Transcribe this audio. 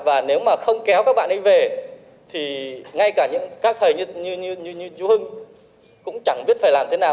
và nếu mà không kéo các bạn ấy về thì ngay cả những các thầy như chú hưng cũng chẳng biết phải làm thế nào